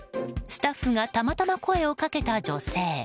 スタッフがたまたま声をかけた女性。